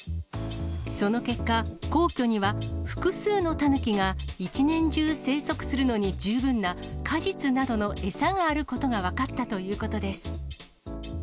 その結果、皇居には、複数のタヌキが一年中生息するのに十分な果実などの餌があることが分かったということです。